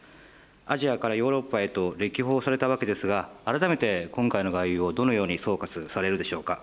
アジアからヨーロッパへと歴訪されたわけですが、改めて今回の外遊をどのように総括されるでしょうか。